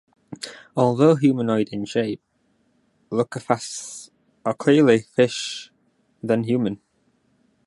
Although humanoid in shape, locathahs are clearly more fish than human.